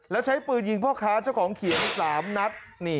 แล้วใช้ปืนยิงพ่อค้าเจ้าของเขียง๓นัด